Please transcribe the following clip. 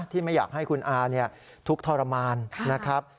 ไม่อยากให้คุณอาทุกข์ทรมานนะครับ